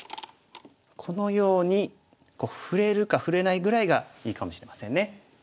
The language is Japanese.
このように触れるか触れないぐらいがいいかもしれませんね。